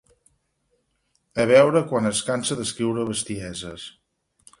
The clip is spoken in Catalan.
A veure quan es cansa d'escriure bestieses.